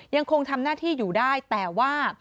ยังคงทำหน้าที่อยู่ได้แต่ว่า